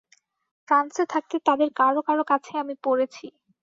ফ্রান্সে থাকতে তাঁদের কারো কারো কাছে আমি পড়েছি।